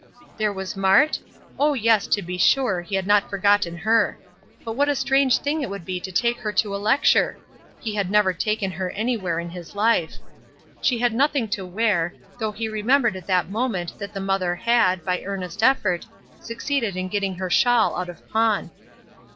There was Mart? Oh, yes, to be sure, he had not forgotten her; but what a strange thing it would be to take her to a lecture! He had never taken her anywhere in his life. She had nothing to wear, though he remembered at that moment that the mother had, by earnest effort, succeeded in getting her shawl out of pawn.